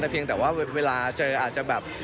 เพียงแต่ว่าเวลาเจออาจจะแบบ